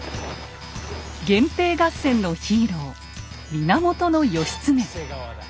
源平合戦のヒーロー源義経。